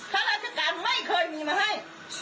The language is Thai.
ข้าราชการไม่เคยมีมาให้